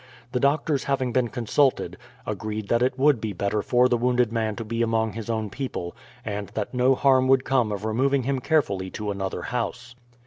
The doctors having been consulted, agreed that it would be better for the wounded man to be among his own people, and that no harm would come of removing him carefully to another house.